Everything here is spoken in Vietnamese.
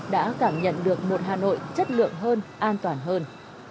đã cảm nhận được một hà nội chất lượng hơn an toàn hơn